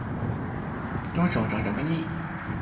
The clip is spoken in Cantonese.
肥仔愈睇愈嬲